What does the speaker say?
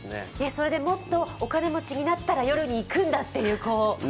それでもっとお金持ちになったら夜に行くんだという。